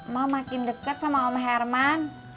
mama makin dekat sama om herman